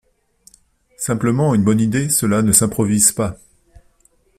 Simplement, une bonne idée, cela ne s’improvise pas.